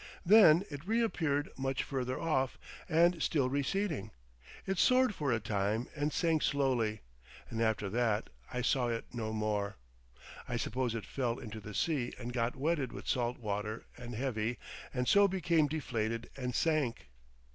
Then it reappeared much further off, and still receding. It soared for a time, and sank slowly, and after that I saw it no more. I suppose it fell into the sea and got wetted with salt water and heavy, and so became deflated and sank.